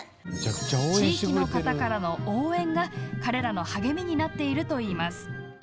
地域の方からの応援が彼らの励みになっているといいます。